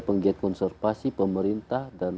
penggiat konservasi pemerintah dan